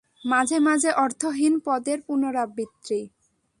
মাঝে মাঝে অর্থহীন পদের পুনরাবৃত্তি।